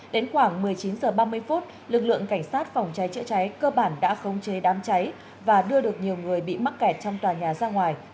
xin chào và hẹn gặp lại